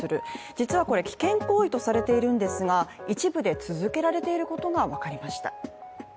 実はこれ、危険行為とされているんですが、一部で続けられていることが分かりました。